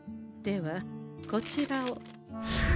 ではこちらを。